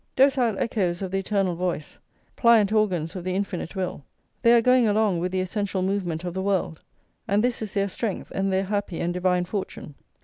Docile echoes of the eternal voice, pliant organs of the infinite will, they are going along with the essential movement of the world; and this is their strength, and their happy and divine fortune.